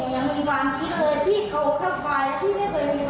ได้ดูไว้ด้วยนะเพราะที่พ่อแม่ลูกคนหนึ่งเข้าเสียใจ